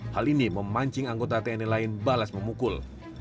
hal ini memancing anggota tni lain balas memukul